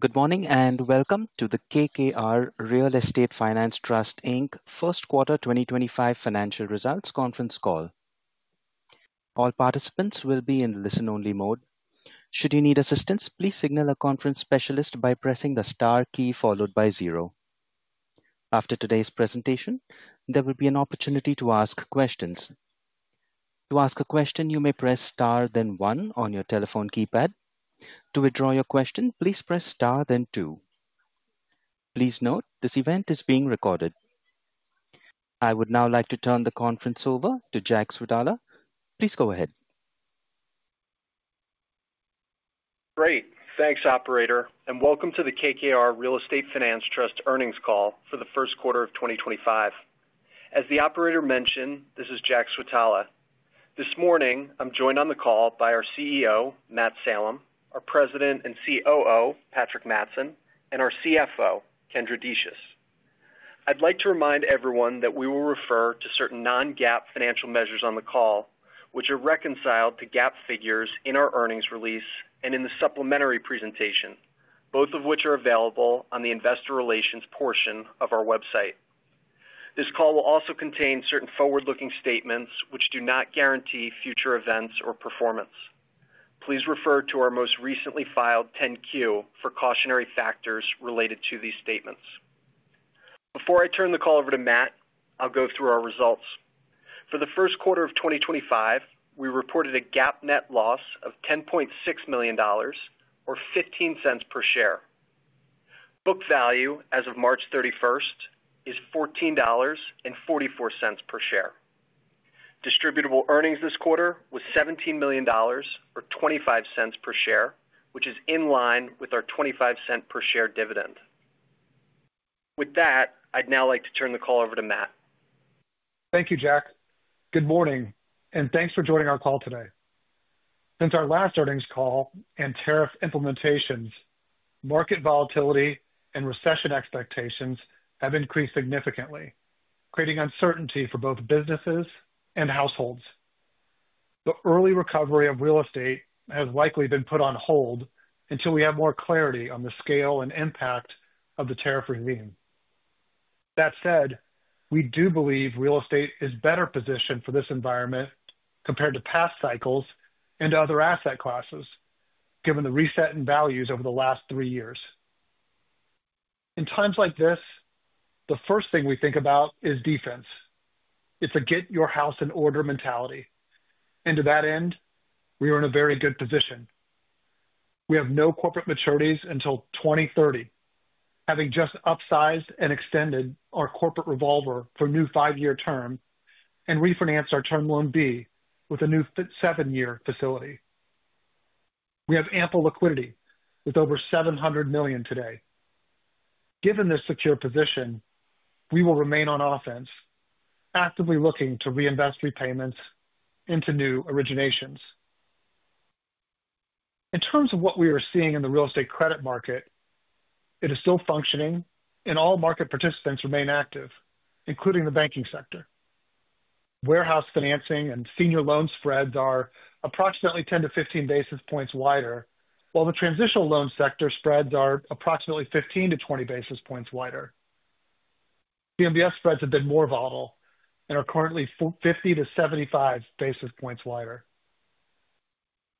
Good morning and welcome to the KKR Real Estate Finance Trust First Quarter 2025 Financial Results Conference Call. All participants will be in listen-only mode. Should you need assistance, please signal a conference specialist by pressing the star key followed by zero. After today's presentation, there will be an opportunity to ask questions. To ask a question, you may press star, then one on your telephone keypad. To withdraw your question, please press star, then two. Please note, this event is being recorded. I would now like to turn the conference over to Jack Switala. Please go ahead. Great. Thanks, Operator. Welcome to the KKR Real Estate Finance Trust Earnings Call for the first quarter of 2025. As the Operator mentioned, this is Jack Switala. This morning, I'm joined on the call by our CEO, Matt Salem, our President and COO, Patrick Mattson, and our CFO, Kendra Decious. I'd like to remind everyone that we will refer to certain non-GAAP financial measures on the call, which are reconciled to GAAP figures in our earnings release and in the supplementary presentation, both of which are available on the investor relations portion of our website. This call will also contain certain forward-looking statements which do not guarantee future events or performance. Please refer to our most recently filed 10-Q for cautionary factors related to these statements. Before I turn the call over to Matt, I'll go through our results. For the first quarter of 2025, we reported a GAAP net loss of $10.6 million, or $0.15 per share. Book value as of March 31st is $14.44 per share. Distributed earnings this quarter was $17 million, or $0.25 per share, which is in line with our $0.25 per share dividend. With that, I'd now like to turn the call over to Matt. Thank you, Jack. Good morning, and thanks for joining our call today. Since our last earnings call and tariff implementations, market volatility and recession expectations have increased significantly, creating uncertainty for both businesses and households. The early recovery of real estate has likely been put on hold until we have more clarity on the scale and impact of the tariff regime. That said, we do believe real estate is better positioned for this environment compared to past cycles and other asset classes, given the reset in values over the last three years. In times like this, the first thing we think about is defense. It is a get your house in order mentality. To that end, we are in a very good position. We have no corporate maturities until 2030, having just upsized and extended our corporate revolver for a new five-year term and refinanced our Term Loan B with a new seven-year facility. We have ample liquidity with over $700 million today. Given this secure position, we will remain on offense, actively looking to reinvest repayments into new originations. In terms of what we are seeing in the real estate credit market, it is still functioning, and all market participants remain active, including the banking sector. Warehouse financing and senior loan spreads are approximately 10-15 basis points wider, while the transitional loan sector spreads are approximately 15-20 basis points wider. CMBS spreads have been more volatile and are currently 50-75 basis points wider.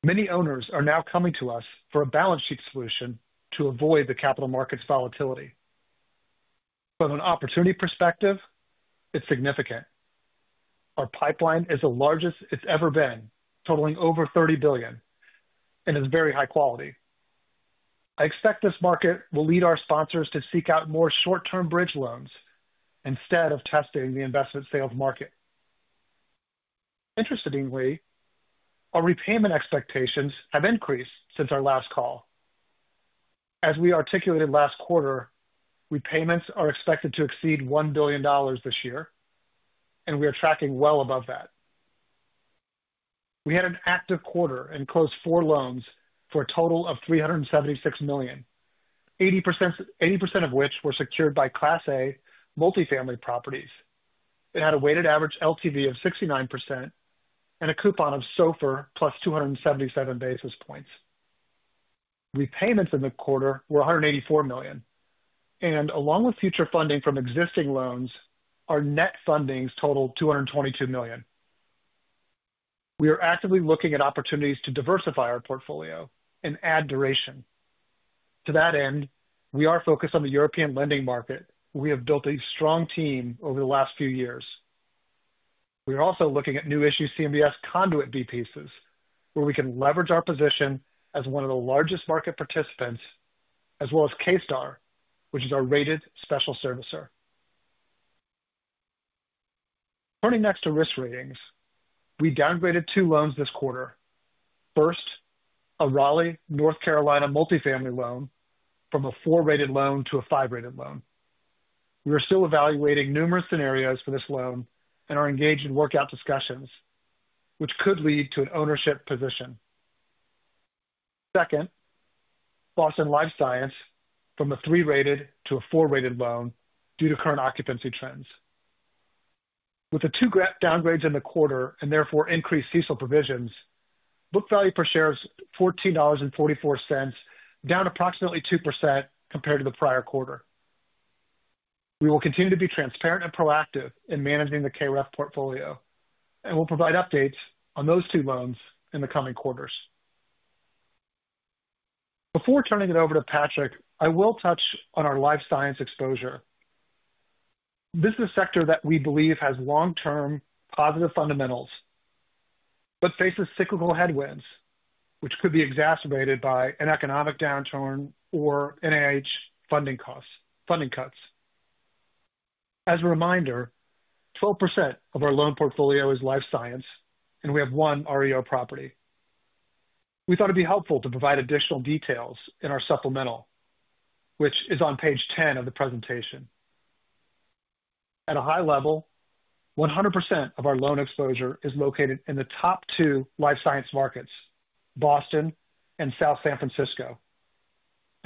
Many owners are now coming to us for a balance sheet solution to avoid the capital markets volatility. From an opportunity perspective, it's significant. Our pipeline is the largest it's ever been, totaling over $30 billion, and it's very high quality. I expect this market will lead our sponsors to seek out more short-term bridge loans instead of testing the investment sales market. Interestingly, our repayment expectations have increased since our last call. As we articulated last quarter, repayments are expected to exceed $1 billion this year, and we are tracking well above that. We had an active quarter and closed four loans for a total of $376 million, 80% of which were secured by Class A multifamily properties. It had a weighted average LTV of 69% and a coupon of SOFR plus 277 basis points. Repayments in the quarter were $184 million, and along with future funding from existing loans, our net fundings totaled $222 million. We are actively looking at opportunities to diversify our portfolio and add duration. To that end, we are focused on the European lending market. We have built a strong team over the last few years. We are also looking at new issue CMBS conduit B-pieces, where we can leverage our position as one of the largest market participants, as well as K-Star, which is our rated special servicer. Turning next to risk ratings, we downgraded two loans this quarter. First, a Raleigh, North Carolina multifamily loan from a four-rated loan to a five-rated loan. We are still evaluating numerous scenarios for this loan and are engaged in work-out discussions, which could lead to an ownership position. Second, Boston Life Science from a three-rated to a four-rated loan due to current occupancy trends. With the two downgrades in the quarter and therefore increased CECL provisions, book value per share is $14.44, down approximately 2% compared to the prior quarter. We will continue to be transparent and proactive in managing the KKR Real Estate Finance Trust portfolio, and we'll provide updates on those two loans in the coming quarters. Before turning it over to Patrick, I will touch on our life science exposure. This is a sector that we believe has long-term positive fundamentals, but faces cyclical headwinds, which could be exacerbated by an economic downturn or NIH funding cuts. As a reminder, 12% of our loan portfolio is life science, and we have one REO property. We thought it'd be helpful to provide additional details in our supplemental, which is on page 10 of the presentation. At a high level, 100% of our loan exposure is located in the top two life science markets, Boston and South San Francisco.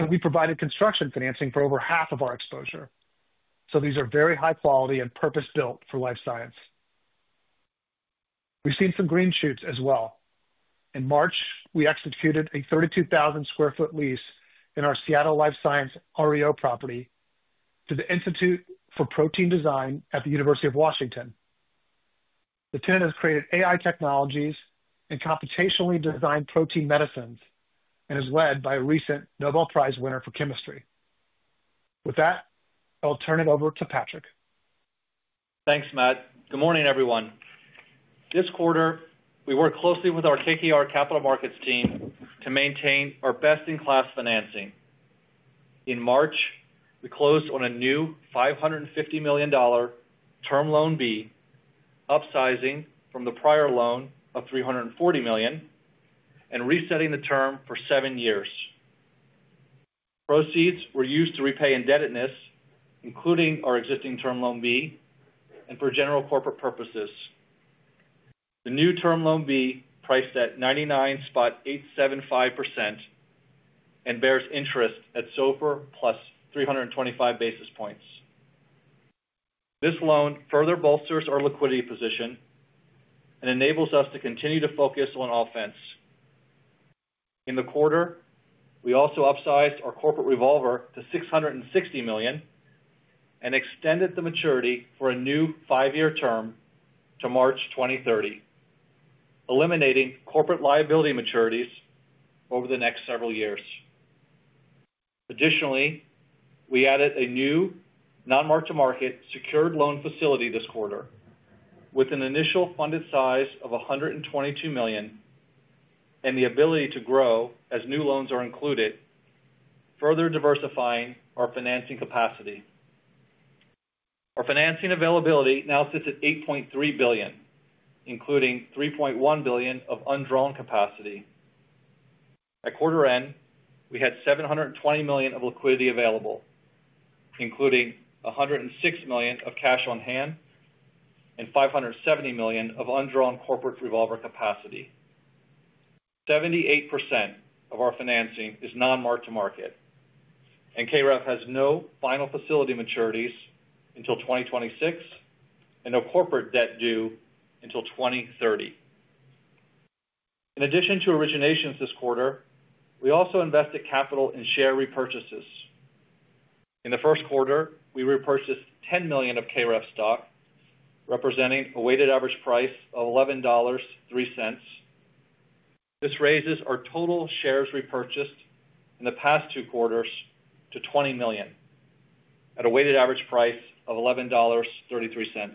We provided construction financing for over half of our exposure, so these are very high quality and purpose-built for life science. We've seen some green shoots as well. In March, we executed a 32,000 sq ft lease in our Seattle Life Science REO property to the Institute for Protein Design at the University of Washington. The tenant has created AI technologies and computationally designed protein medicines, and is led by a recent Nobel Prize winner for chemistry. With that, I'll turn it over to Patrick. Thanks, Matt. Good morning, everyone. This quarter, we work closely with our KKR Capital Markets team to maintain our best-in-class financing. In March, we closed on a new $550 million Term Loan B, upsizing from the prior loan of $340 million and resetting the term for seven years. Proceeds were used to repay indebtedness, including our existing Term Loan B, and for general corporate purposes. The new Term Loan B priced at 99.875% and bears interest at SOFR plus 325 basis points. This loan further bolsters our liquidity position and enables us to continue to focus on offense. In the quarter, we also upsized our corporate revolver to $660 million and extended the maturity for a new five-year term to March 2030, eliminating corporate liability maturities over the next several years. Additionally, we added a new non-market-to-market secured loan facility this quarter, with an initial funded size of $122 million and the ability to grow as new loans are included, further diversifying our financing capacity. Our financing availability now sits at $8.3 billion, including $3.1 billion of undrawn capacity. At quarter end, we had $720 million of liquidity available, including $106 million of cash on hand and $570 million of undrawn corporate revolver capacity. 78% of our financing is non-market-to-market, and KKR Real Estate Finance Trust has no final facility maturities until 2026 and no corporate debt due until 2030. In addition to originations this quarter, we also invested capital in share repurchases. In the first quarter, we repurchased $10 million of KKR Real Estate Finance Trust stock, representing a weighted average price of $11.03. This raises our total shares repurchased in the past two quarters to $20 million at a weighted average price of $11.33.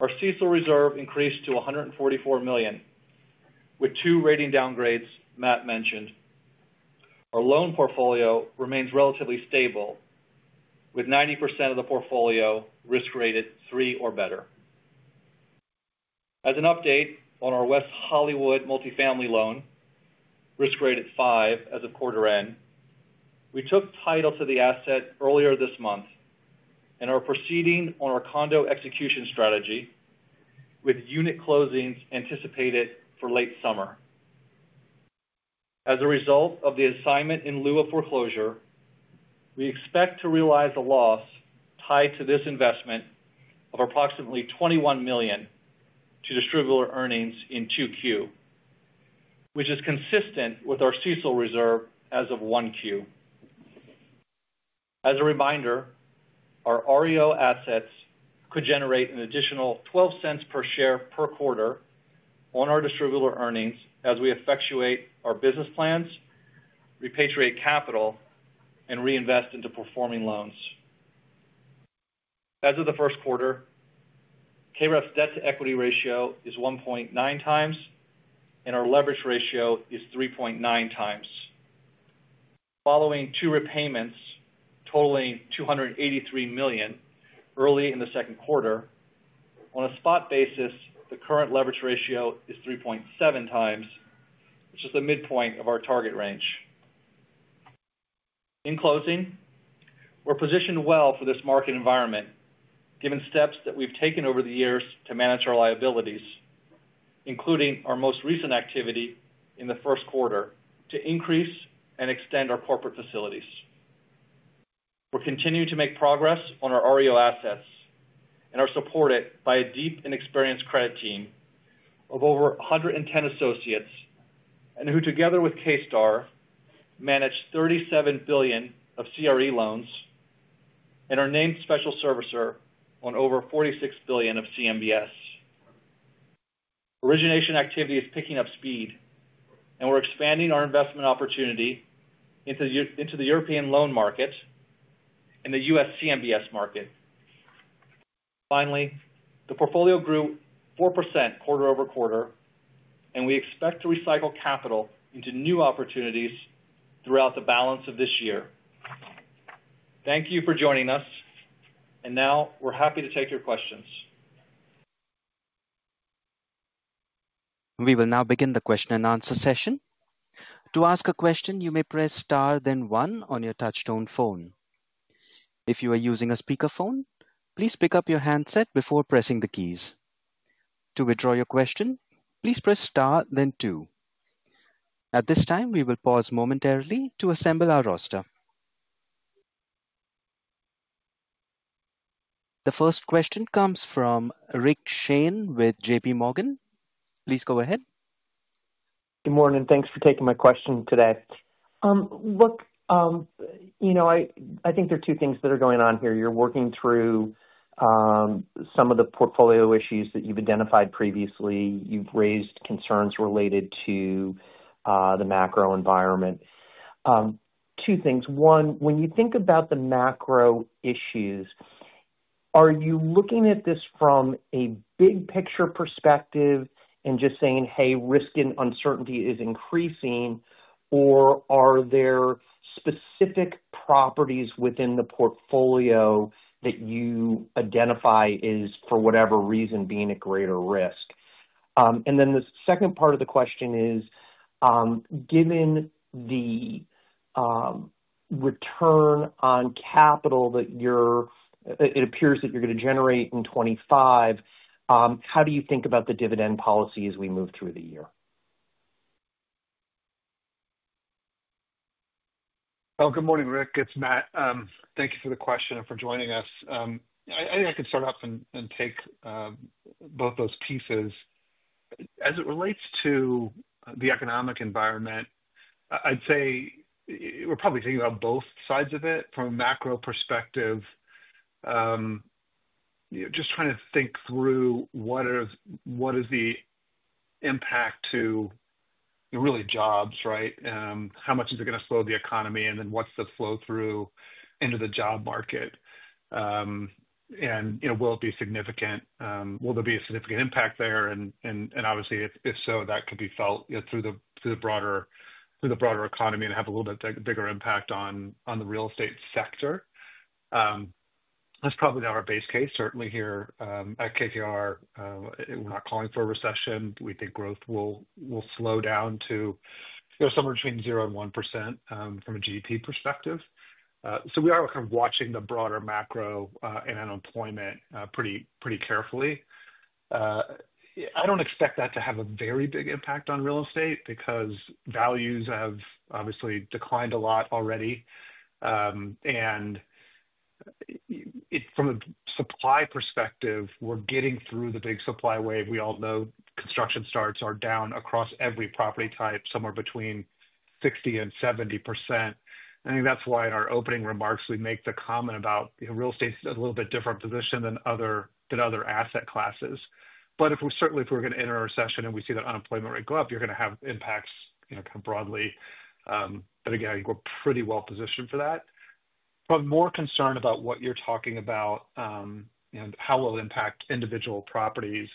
Our CECL reserve increased to $144 million, with two rating downgrades Matt mentioned. Our loan portfolio remains relatively stable, with 90% of the portfolio risk-rated three or better. As an update on our West Hollywood multifamily loan, risk-rated five as of quarter end, we took title to the asset earlier this month and are proceeding on our condo execution strategy, with unit closings anticipated for late summer. As a result of the assignment in lieu of foreclosure, we expect to realize a loss tied to this investment of approximately $21 million to distributed earnings in 2Q, which is consistent with our CECL reserve as of 1Q. As a reminder, our REO assets could generate an additional $0.12 per share per quarter on our distributed earnings as we effectuate our business plans, repatriate capital, and reinvest into performing loans. As of the first quarter, KKR Real Estate Finance Trust's debt-to-equity ratio is 1.9x, and our leverage ratio is 3.9x. Following two repayments totaling $283 million early in the second quarter, on a spot basis, the current leverage ratio is 3.7x, which is the midpoint of our target range. In closing, we're positioned well for this market environment, given steps that we've taken over the years to manage our liabilities, including our most recent activity in the first quarter to increase and extend our corporate facilities. We're continuing to make progress on our REO assets and are supported by a deep and experienced credit team of over 110 associates and who, together with K-Star, manage $37 billion of CRE loans and are named special servicer on over $46 billion of CMBS. Origination activity is picking up speed, and we're expanding our investment opportunity into the European loan market and the U.S. CMBS market. Finally, the portfolio grew 4% quarter over quarter, and we expect to recycle capital into new opportunities throughout the balance of this year. Thank you for joining us, and now we're happy to take your questions. We will now begin the question and answer session. To ask a question, you may press star, then one on your touch-tone phone. If you are using a speakerphone, please pick up your handset before pressing the keys. To withdraw your question, please press star, then two. At this time, we will pause momentarily to assemble our roster. The first question comes from Rick Shane with JPMorgan. Please go ahead. Good morning. Thanks for taking my question today. I think there are two things that are going on here. You're working through some of the portfolio issues that you've identified previously. You've raised concerns related to the macro environment. Two things. One, when you think about the macro issues, are you looking at this from a big-picture perspective and just saying, "Hey, risk and uncertainty is increasing," or are there specific properties within the portfolio that you identify as, for whatever reason, being at greater risk? The second part of the question is, given the return on capital that it appears that you're going to generate in 2025, how do you think about the dividend policy as we move through the year? Good morning, Rick. It's Matt. Thank you for the question and for joining us. I think I could start off and take both those pieces. As it relates to the economic environment, I'd say we're probably thinking about both sides of it from a macro perspective. Just trying to think through what is the impact to, really, jobs, right? How much is it going to slow the economy, and then what's the flow-through into the job market? Will it be significant? Will there be a significant impact there? Obviously, if so, that could be felt through the broader economy and have a little bit bigger impact on the real estate sector. That's probably our base case. Certainly, here at KKR, we're not calling for a recession. We think growth will slow down to somewhere between 0%-1% from a GDP perspective. We are kind of watching the broader macro and unemployment pretty carefully. I do not expect that to have a very big impact on real estate because values have obviously declined a lot already. From a supply perspective, we are getting through the big supply wave. We all know construction starts are down across every property type, somewhere between 60% and 70%. I think that is why in our opening remarks, we make the comment about real estate's a little bit different position than other asset classes. Certainly, if we are going to enter a recession and we see that unemployment rate go up, you are going to have impacts kind of broadly. Again, I think we are pretty well positioned for that. I am more concerned about what you are talking about and how it will impact individual properties.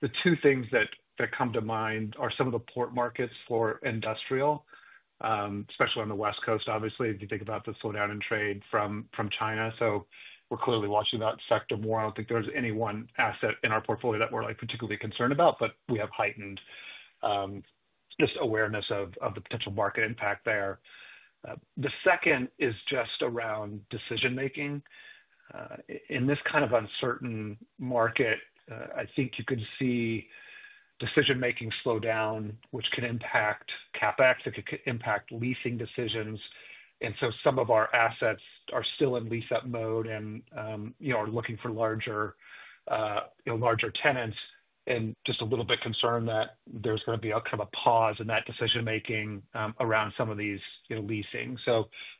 The two things that come to mind are some of the port markets for industrial, especially on the West Coast, obviously, if you think about the slowdown in trade from China. We are clearly watching that sector more. I do not think there is any one asset in our portfolio that we are particularly concerned about, but we have heightened just awareness of the potential market impact there. The second is just around decision-making. In this kind of uncertain market, I think you can see decision-making slow down, which can impact CapEx. It could impact leasing decisions. Some of our assets are still in lease-up mode and are looking for larger tenants and just a little bit concerned that there is going to be kind of a pause in that decision-making around some of these leasing.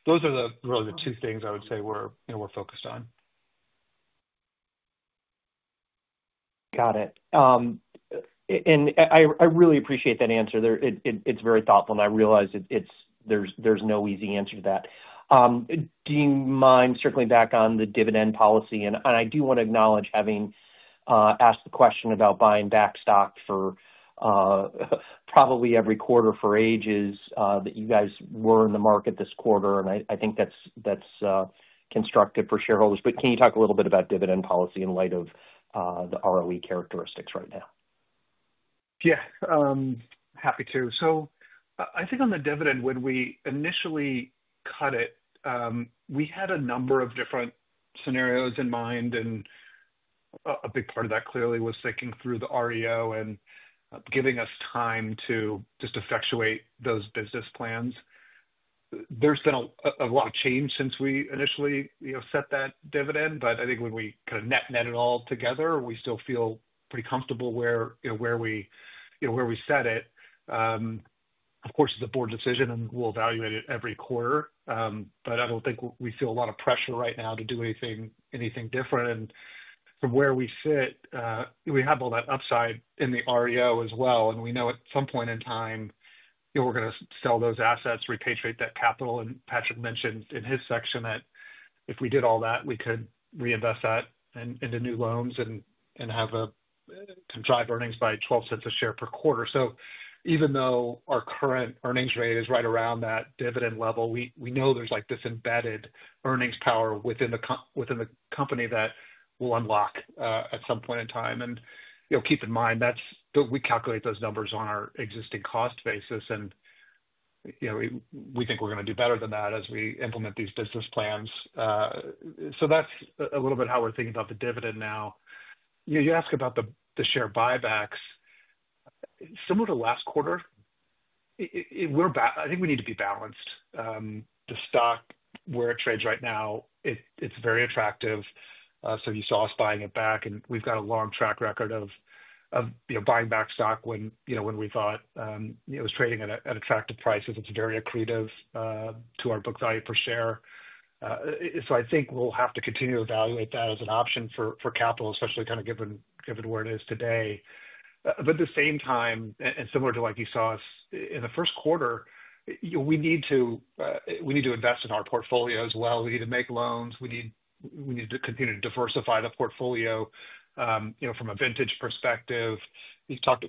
Those are really the two things I would say we are focused on. Got it. I really appreciate that answer. It's very thoughtful, and I realize there's no easy answer to that. Do you mind circling back on the dividend policy? I do want to acknowledge having asked the question about buying back stock for probably every quarter for ages that you guys were in the market this quarter, and I think that's constructive for shareholders. Can you talk a little bit about dividend policy in light of the ROE characteristics right now? Yeah. Happy to. I think on the dividend, when we initially cut it, we had a number of different scenarios in mind, and a big part of that clearly was thinking through the REO and giving us time to just effectuate those business plans. There's been a lot of change since we initially set that dividend, but I think when we kind of net-net it all together, we still feel pretty comfortable where we set it. Of course, it's a board decision, and we'll evaluate it every quarter. I don't think we feel a lot of pressure right now to do anything different. From where we sit, we have all that upside in the REO as well, and we know at some point in time, we're going to sell those assets, repatriate that capital. Patrick mentioned in his section that if we did all that, we could reinvest that into new loans and have it drive earnings by $0.12 a share per quarter. Even though our current earnings rate is right around that dividend level, we know there's this embedded earnings power within the company that we'll unlock at some point in time. Keep in mind that we calculate those numbers on our existing cost basis, and we think we're going to do better than that as we implement these business plans. That's a little bit how we're thinking about the dividend now. You ask about the share buybacks, similar to last quarter, I think we need to be balanced. The stock, where it trades right now, is very attractive. You saw us buying it back, and we've got a long track record of buying back stock when we thought it was trading at attractive prices. It's very accretive to our book value per share. I think we'll have to continue to evaluate that as an option for capital, especially kind of given where it is today. At the same time, and similar to what you saw us in the first quarter, we need to invest in our portfolio as well we need to make loans. We need to continue to diversify the portfolio from a vintage perspective. We talked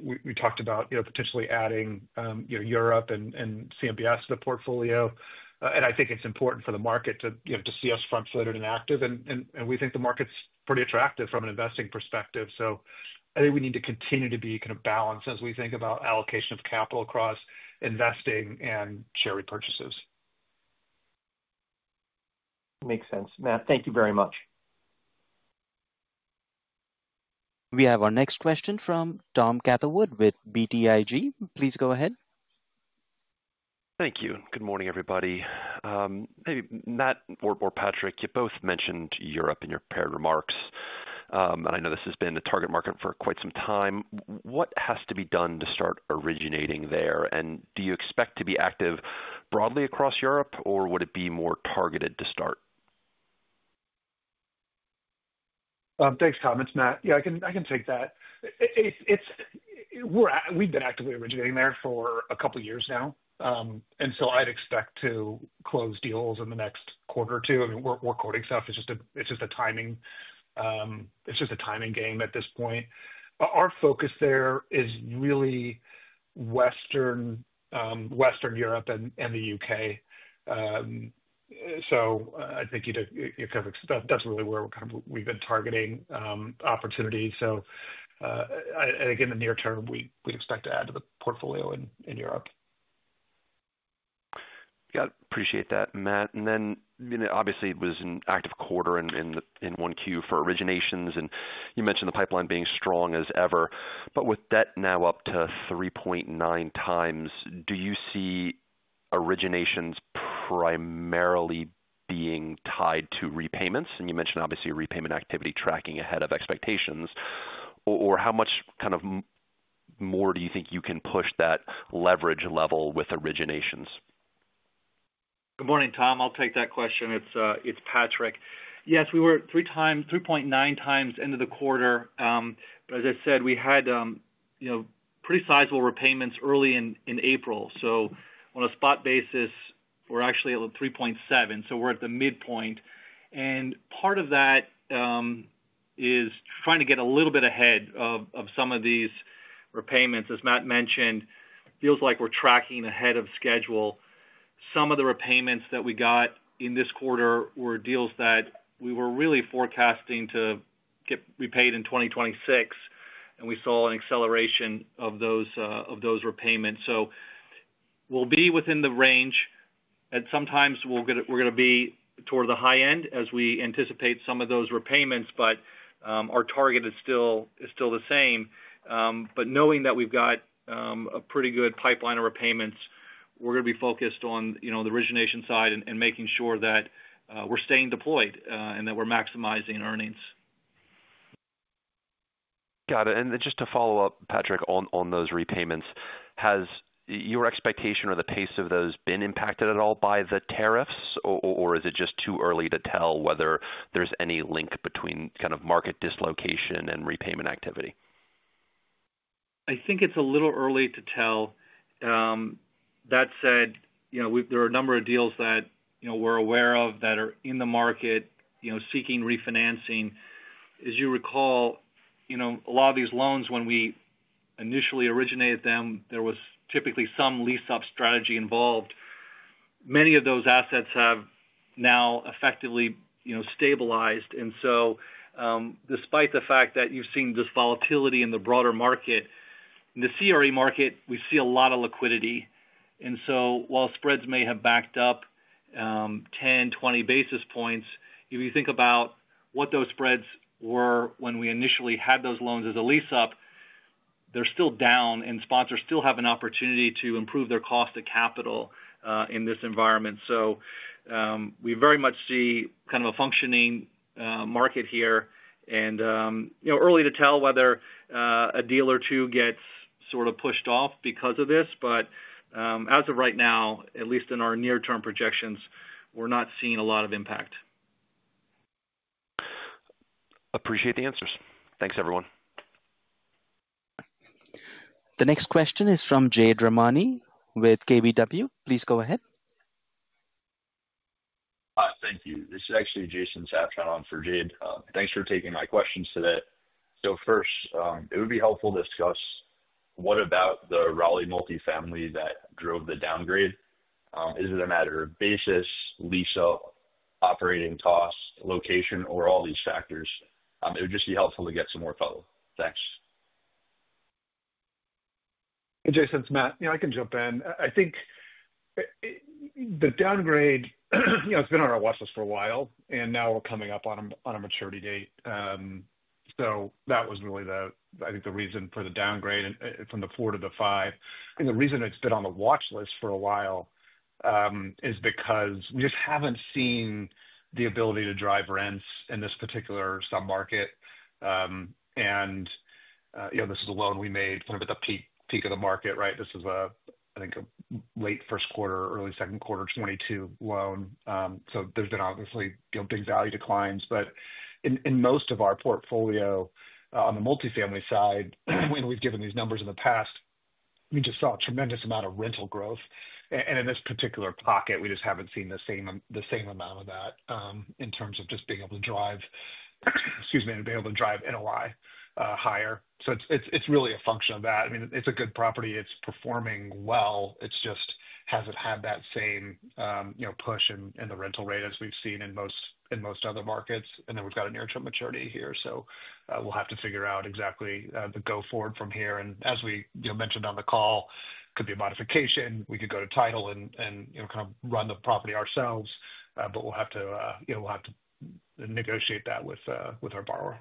about potentially adding Europe and CMBS to the portfolio. I think it's important for the market to see us front-footed and active, and we think the market's pretty attractive from an investing perspective. I think we need to continue to be kind of balanced as we think about allocation of capital across investing and share repurchases. Makes sense. Matt, thank you very much. We have our next question from Tom Catherwood with BTIG. Please go ahead. Thank you. Good morning, everybody. Matt or Patrick, you both mentioned Europe in your remarks, and I know this has been a target market for quite some time. What has to be done to start originating there, and do you expect to be active broadly across Europe, or would it be more targeted to start? Thanks, Tom. It's Matt. Yeah, I can take that. We've been actively originating there for a couple of years now, and I'd expect to close deals in the next quarter or two. I mean, we're quoting stuff. It's just a timing game at this point. Our focus there is really Western Europe and the U.K. I think that's really where we've been targeting opportunities. I think in the near term, we expect to add to the portfolio in Europe. Yeah. Appreciate that, Matt. Obviously, it was an active quarter in 1Q for originations, and you mentioned the pipeline being strong as ever. With debt now up to 3.9x, do you see originations primarily being tied to repayments? You mentioned, obviously, repayment activity tracking ahead of expectations. How much more do you think you can push that leverage level with originations? Good morning, Tom. I'll take that question. It's Patrick. Yes, we were 3.9x into the quarter. As I said, we had pretty sizable repayments early in April. On a spot basis, we're actually at 3.7. We're at the midpoint. Part of that is trying to get a little bit ahead of some of these repayments. As Matt mentioned, deals like we're tracking ahead of schedule. Some of the repayments that we got in this quarter were deals that we were really forecasting to get repaid in 2026, and we saw an acceleration of those repayments. We'll be within the range. At some times, we're going to be toward the high end as we anticipate some of those repayments, but our target is still the same. Knowing that we've got a pretty good pipeline of repayments, we're going to be focused on the origination side and making sure that we're staying deployed and that we're maximizing earnings. Got it. Just to follow up, Patrick, on those repayments, has your expectation or the pace of those been impacted at all by the tariffs, or is it just too early to tell whether there's any link between kind of market dislocation and repayment activity? I think it's a little early to tell. That said, there are a number of deals that we're aware of that are in the market seeking refinancing. As you recall, a lot of these loans, when we initially originated them, there was typically some lease-up strategy involved. Many of those assets have now effectively stabilized. Despite the fact that you've seen this volatility in the broader market, in the CRE market, we see a lot of liquidity. While spreads may have backed up 10-20 basis points, if you think about what those spreads were when we initially had those loans as a lease-up, they're still down, and sponsors still have an opportunity to improve their cost of capital in this environment. We very much see kind of a functioning market here. is early to tell whether a deal or two gets sort of pushed off because of this. As of right now, at least in our near-term projections, we're not seeing a lot of impact. Appreciate the answers. Thanks, everyone. The next question is from Jade Rahmani with KBW. Please go ahead. Hi. Thank you. This is actually Jason Sabshon on for Jade. Thanks for taking my questions today. First, it would be helpful to discuss what about the Raleigh multifamily that drove the downgrade. Is it a matter of basis, lease-up, operating costs, location, or all these factors? It would just be helpful to get some more follow-up. Thanks. Hey, Jason. It's Matt. I can jump in. I think the downgrade, it's been on our watchlist for a while, and now we're coming up on a maturity date. That was really, I think, the reason for the downgrade from the four to the five. The reason it's been on the watchlist for a while is because we just haven't seen the ability to drive rents in this particular sub-market. This is a loan we made kind of at the peak of the market, right? This is, I think, a late first quarter, early second quarter 2022 loan. There have obviously been big value declines. In most of our portfolio on the multifamily side, we've given these numbers in the past. We just saw a tremendous amount of rental growth. In this particular pocket, we just have not seen the same amount of that in terms of just being able to drive, excuse me, being able to drive NOI higher. It is really a function of that. I mean, it is a good property. It is performing well. It just has not had that same push in the rental rate as we have seen in most other markets. We have a near-term maturity here. We will have to figure out exactly the go-forward from here. As we mentioned on the call, it could be a modification. We could go to title and kind of run the property ourselves, but we will have to negotiate that with our borrower.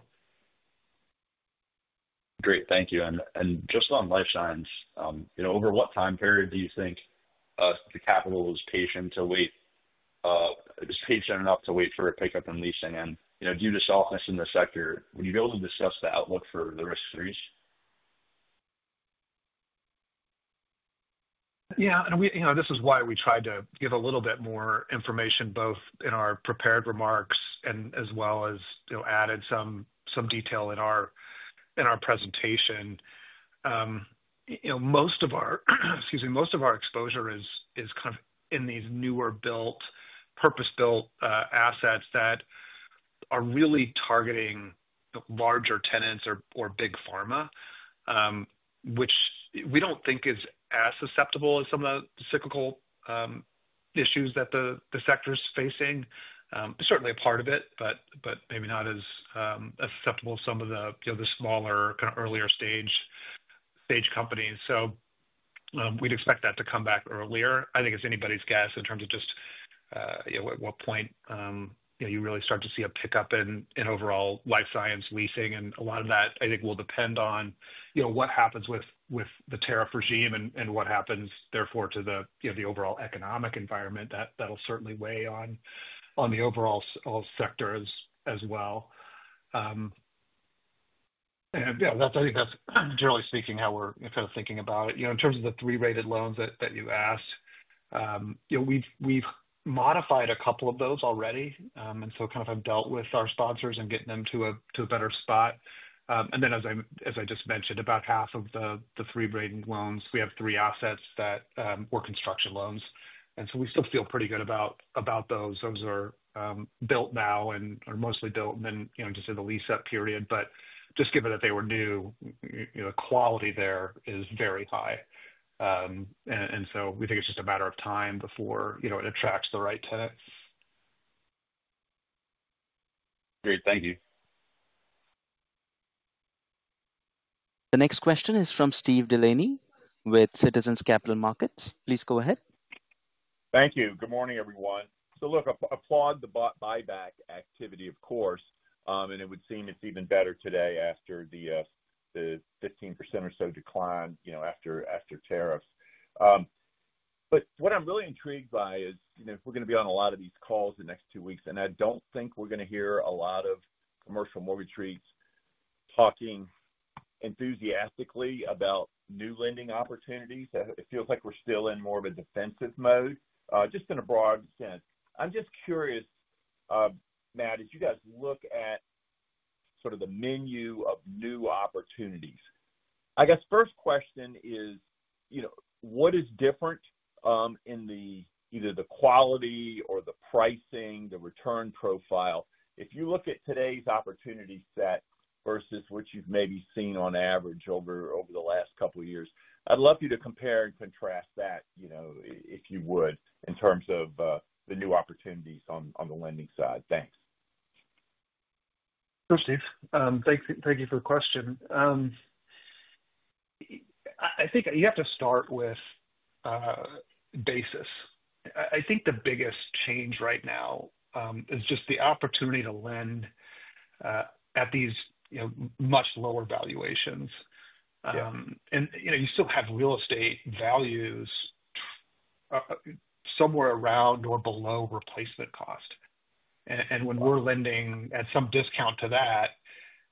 Great. Thank you. Just on life science, over what time period do you think the capital is patient to wait, patient enough to wait for a pickup in leasing? Due to softness in the sector, would you be able to discuss the outlook for the risk-frees? Yeah. This is why we tried to give a little bit more information, both in our prepared remarks as well as added some detail in our presentation. Most of our—excuse me—most of our exposure is kind of in these newer-built, purpose-built assets that are really targeting larger tenants or big pharma, which we do not think is as susceptible as some of the cyclical issues that the sector is facing. It is certainly a part of it, but maybe not as susceptible as some of the smaller kind of earlier-stage companies. We would expect that to come back earlier. I think it is anybody's guess in terms of just at what point you really start to see a pickup in overall life science leasing. A lot of that, I think, will depend on what happens with the tariff regime and what happens, therefore, to the overall economic environment. That'll certainly weigh on the overall sectors as well. Yeah, I think that's generally speaking how we're kind of thinking about it. In terms of the three-rated loans that you asked, we've modified a couple of those already. Kind of have dealt with our sponsors and getting them to a better spot. As I just mentioned, about half of the three-rated loans, we have three assets that were construction loans. We still feel pretty good about those. Those are built now and are mostly built in just the lease-up period. Just given that they were new, the quality there is very high. We think it's just a matter of time before it attracts the right tenants. Great. Thank you. The next question is from Steve Delaney with Citizens Capital Markets. Please go ahead. Thank you. Good morning, everyone. Look, applaud the buyback activity, of course. It would seem it's even better today after the 15% or so decline after tariffs. What I'm really intrigued by is we're going to be on a lot of these calls in the next two weeks, and I don't think we're going to hear a lot of commercial mortgage rates talking enthusiastically about new lending opportunities. It feels like we're still in more of a defensive mode, just in a broad sense. I'm just curious, Matt, as you guys look at sort of the menu of new opportunities, I guess first question is, what is different in either the quality or the pricing, the return profile? If you look at today's opportunity set versus what you've maybe seen on average over the last couple of years, I'd love you to compare and contrast that, if you would, in terms of the new opportunities on the lending side. Thanks. Thanks, Steve. Thank you for the question. I think you have to start with basis. I think the biggest change right now is just the opportunity to lend at these much lower valuations. You still have real estate values somewhere around or below replacement cost. When we're lending at some discount to that,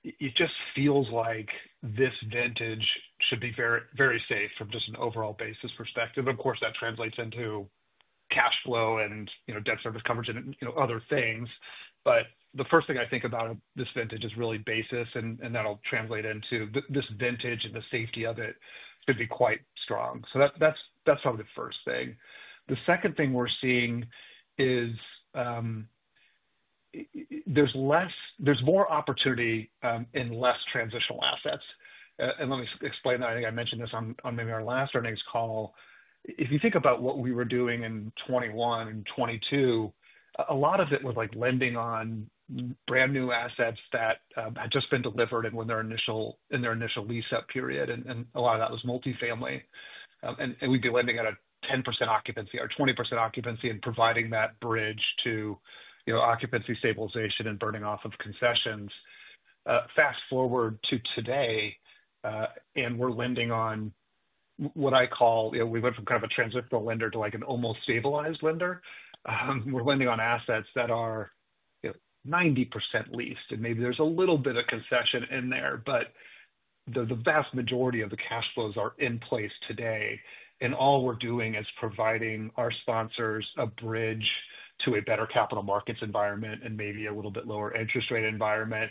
it just feels like this vintage should be very safe from just an overall basis perspective. Of course, that translates into cash flow and debt service coverage and other things. The first thing I think about this vintage is really basis, and that'll translate into this vintage and the safety of it should be quite strong. That's probably the first thing. The second thing we're seeing is there's more opportunity in less transitional assets. Let me explain that. I think I mentioned this on maybe our last earnings call. If you think about what we were doing in 2021 and 2022, a lot of it was lending on brand new assets that had just been delivered in their initial lease-up period. A lot of that was multifamily. We would be lending at a 10% occupancy or 20% occupancy and providing that bridge to occupancy stabilization and burning off of concessions. Fast forward to today, we are lending on what I call we went from kind of a transitional lender to an almost stabilized lender. We are lending on assets that are 90% leased, and maybe there is a little bit of concession in there. The vast majority of the cash flows are in place today. All we are doing is providing our sponsors a bridge to a better capital markets environment and maybe a little bit lower interest rate environment.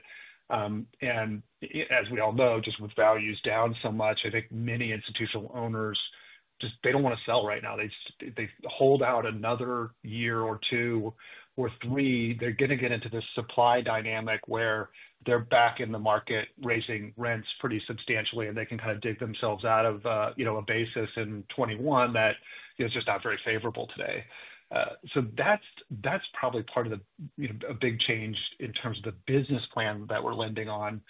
As we all know, just with values down so much, I think many institutional owners, they do not want to sell right now. They hold out another year or two or three. They are going to get into this supply dynamic where they are back in the market raising rents pretty substantially, and they can kind of dig themselves out of a basis in 2021 that is just not very favorable today. That is probably part of a big change in terms of the business plan that we are lending on.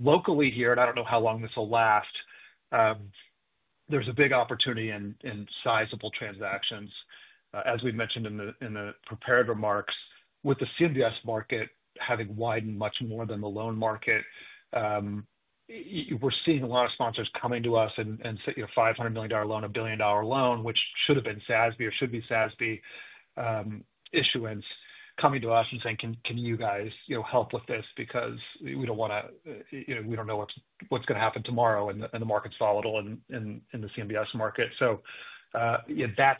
Locally here, and I do not know how long this will last, there is a big opportunity in sizable transactions. As we mentioned in the prepared remarks, with the CMBS market having widened much more than the loan market, we're seeing a lot of sponsors coming to us and say, "You have a $500 million loan, a billion-dollar loan," which should have been SASB or should be SASB issuance coming to us and saying, "Can you guys help with this? Because we don't want to—we don't know what's going to happen tomorrow, and the market's volatile in the CMBS market." That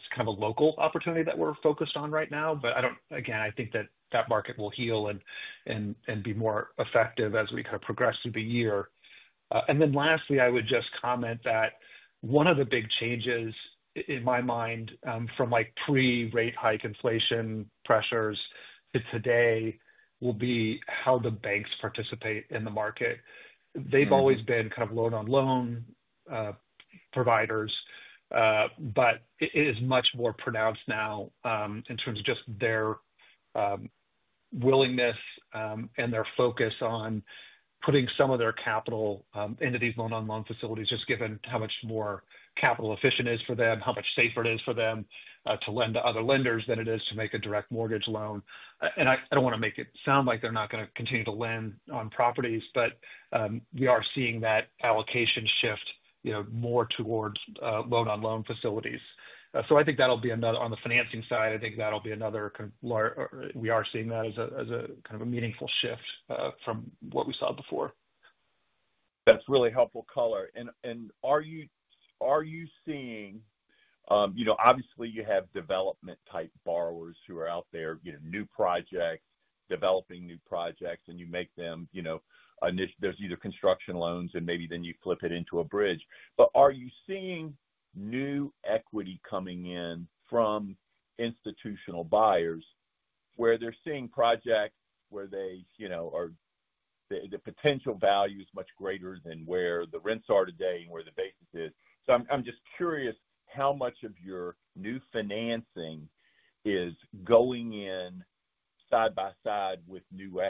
is kind of a local opportunity that we're focused on right now. Again, I think that that market will heal and be more effective as we kind of progress through the year. Lastly, I would just comment that one of the big changes in my mind from pre-rate hike inflation pressures to today will be how the banks participate in the market. They've always been kind of loan-on-loan providers, but it is much more pronounced now in terms of just their willingness and their focus on putting some of their capital into these loan-on-loan facilities, just given how much more capital-efficient it is for them, how much safer it is for them to lend to other lenders than it is to make a direct mortgage loan. I don't want to make it sound like they're not going to continue to lend on properties, but we are seeing that allocation shift more towards loan-on-loan facilities. I think that'll be another, on the financing side, I think that'll be another kind of, we are seeing that as a kind of a meaningful shift from what we saw before. That's really helpful color. Are you seeing—obviously, you have development-type borrowers who are out there, new projects, developing new projects, and you make them—there's either construction loans, and maybe then you flip it into a bridge. Are you seeing new equity coming in from institutional buyers where they're seeing projects where the potential value is much greater than where the rents are today and where the basis is? I'm just curious how much of your new financing is going in side by side with new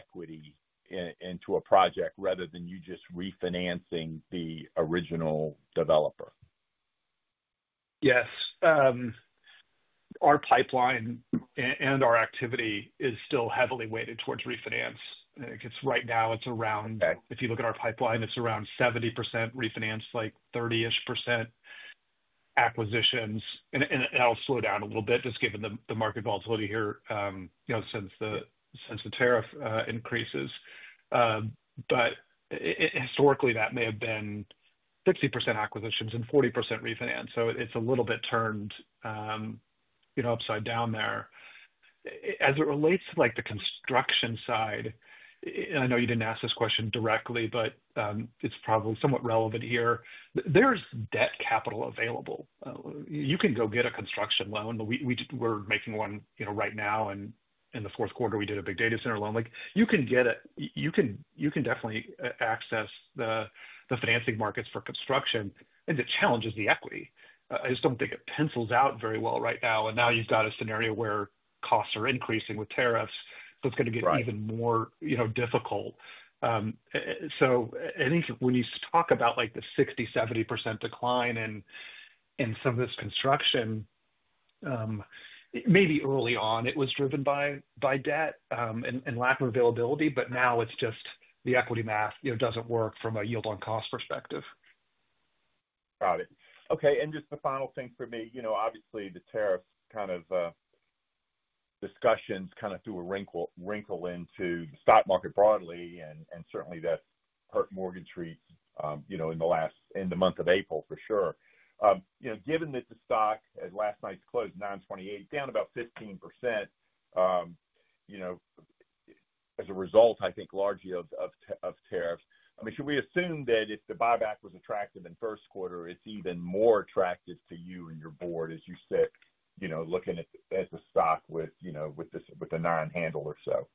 equity into a project rather than you just refinancing the original developer? Yes. Our pipeline and our activity is still heavily weighted towards refinance. I guess right now, if you look at our pipeline, it's around 70% refinance, like 30% acquisitions. That'll slow down a little bit just given the market volatility here since the tariff increases. Historically, that may have been 50% acquisitions and 40% refinance. It's a little bit turned upside down there. As it relates to the construction side, and I know you didn't ask this question directly, but it's probably somewhat relevant here. There's debt capital available. You can go get a construction loan. We're making one right now. In the fourth quarter, we did a big data center loan. You can get it. You can definitely access the financing markets for construction. The challenge is the equity. I just don't think it pencils out very well right now. You have a scenario where costs are increasing with tariffs. It is going to get even more difficult. I think when you talk about the 60%-70% decline in some of this construction, maybe early on, it was driven by debt and lack of availability. Now it is just the equity math does not work from a yield-on-cost perspective. Got it. Okay. Just the final thing for me, obviously, the tariffs kind of discussions kind of do a wrinkle into the stock market broadly. Certainly, that hurt mortgage rates in the month of April, for sure. Given that the stock at last night's close, $9.28, down about 15% as a result, I think, largely of tariffs, I mean, should we assume that if the buyback was attractive in first quarter, it's even more attractive to you and your board as you sit looking at the stock with a nine-handle or so?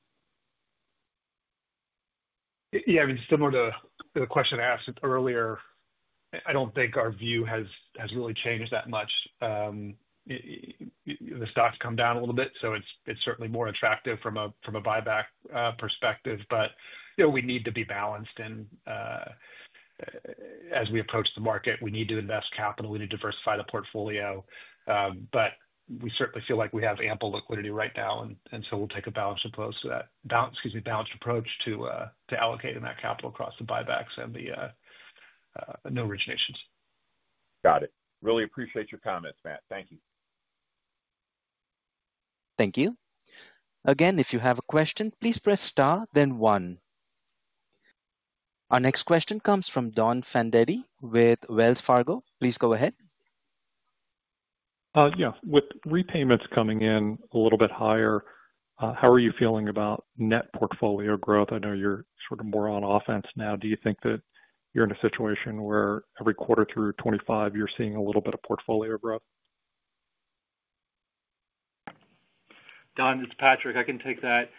Yeah. I mean, similar to the question I asked earlier, I do not think our view has really changed that much. The stock has come down a little bit. It is certainly more attractive from a buyback perspective. We need to be balanced. As we approach the market, we need to invest capital. We need to diversify the portfolio. We certainly feel like we have ample liquidity right now. We will take a balanced approach to that, excuse me, a balanced approach to allocating that capital across the buybacks and the new originations. Got it. Really appreciate your comments, Matt. Thank you. Thank you. Again, if you have a question, please press star, then one. Our next question comes from Don Fandetti with Wells Fargo. Please go ahead. Yeah. With repayments coming in a little bit higher, how are you feeling about net portfolio growth? I know you're sort of more on offense now. Do you think that you're in a situation where every quarter through 2025, you're seeing a little bit of portfolio growth? Don, this is Patrick. I can take that.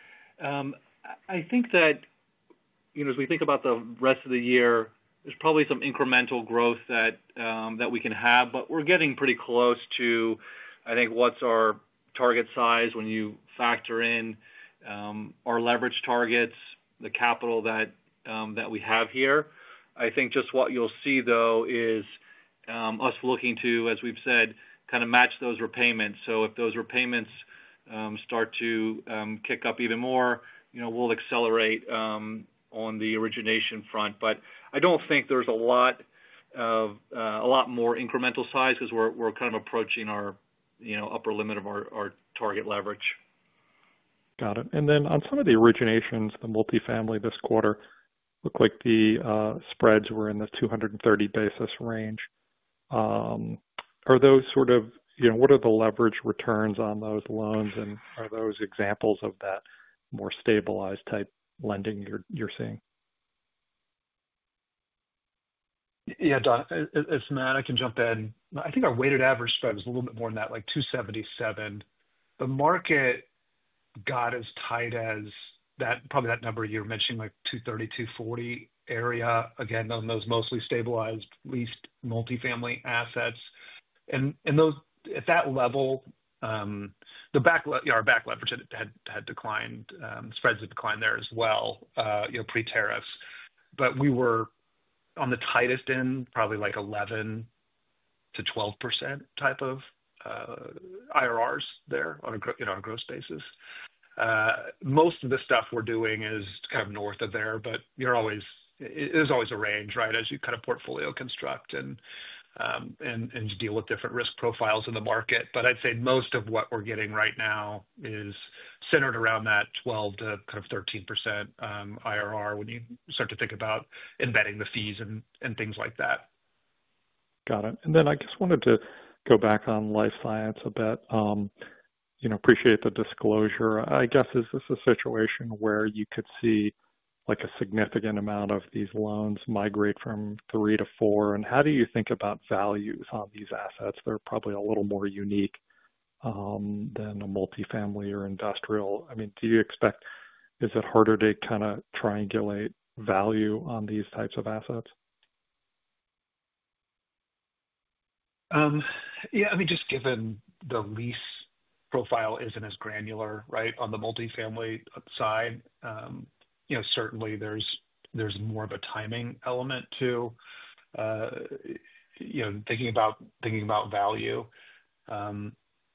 I think that as we think about the rest of the year, there's probably some incremental growth that we can have. But we're getting pretty close to, I think, what's our target size when you factor in our leverage targets, the capital that we have here. I think just what you'll see, though, is us looking to, as we've said, kind of match those repayments. If those repayments start to kick up even more, we'll accelerate on the origination front. I don't think there's a lot more incremental size because we're kind of approaching our upper limit of our target leverage. Got it. On some of the originations, the multifamily this quarter looked like the spreads were in the 230 basis points range. Are those sort of—what are the leverage returns on those loans? Are those examples of that more stabilized type lending you are seeing? Yeah, Don, it's Matt. I can jump in. I think our weighted average spread was a little bit more than that, like 277. The market got as tight as probably that number you were mentioning, like 230-240 area, again, on those mostly stabilized leased multifamily assets. At that level, our back leverage had declined. Spreads had declined there as well pre-tariffs. We were on the tightest end, probably like 11%-12% type of IRRs there on a gross basis. Most of the stuff we're doing is kind of north of there. There's always a range, right, as you kind of portfolio construct and deal with different risk profiles in the market. I'd say most of what we're getting right now is centered around that 12%-13% IRR when you start to think about embedding the fees and things like that. Got it. I just wanted to go back on life science a bit. Appreciate the disclosure. I guess, is this a situation where you could see a significant amount of these loans migrate from three to four? How do you think about values on these assets? They're probably a little more unique than a multifamily or industrial. I mean, do you expect—is it harder to kind of triangulate value on these types of assets? Yeah. I mean, just given the lease profile isn't as granular, right, on the multifamily side, certainly, there's more of a timing element to thinking about value.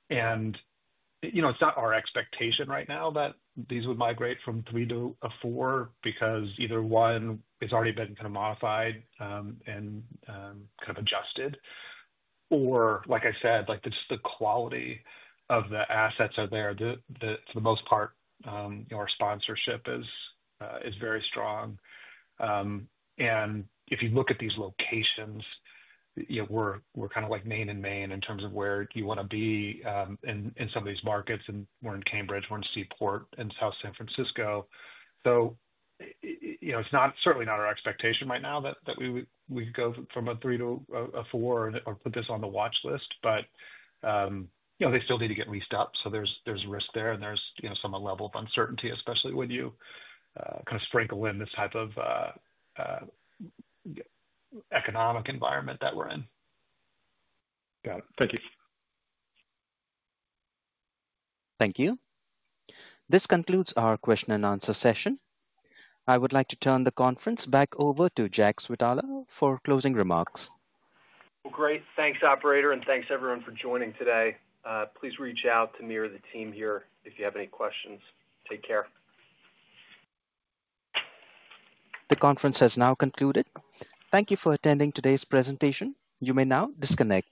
It's not our expectation right now that these would migrate from three to a four because either one, it's already been kind of modified and kind of adjusted. Or like I said, just the quality of the assets out there, for the most part, our sponsorship is very strong. If you look at these locations, we're kind of like Main and Main in terms of where you want to be in some of these markets. We're in Cambridge. We're in Seaport and South San Francisco. It's certainly not our expectation right now that we go from a three to a four or put this on the watch list. They still need to get leased up. There is risk there. And there is some level of uncertainty, especially when you kind of sprinkle in this type of economic environment that we are in. Got it. Thank you. Thank you. This concludes our question-and-answer session. I would like to turn the conference back over to Jack Switala for closing remarks. Great. Thanks, operator. Thanks, everyone, for joining today. Please reach out to me or the team here if you have any questions. Take care. The conference has now concluded. Thank you for attending today's presentation. You may now disconnect.